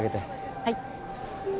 はい。